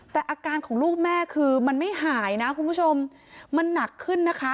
แต่อาการของลูกแม่คือมันไม่หายนะคุณผู้ชมมันหนักขึ้นนะคะ